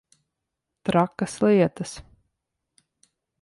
Trakas lietas.